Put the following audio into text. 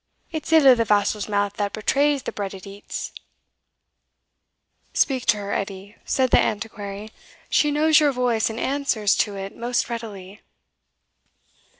It's ill o' the vassal's mouth that betrays the bread it eats." "Speak to her, Edie," said the Antiquary; "she knows your voice, and answers to it most readily."